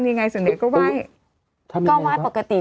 ที่เขามีวัคซีน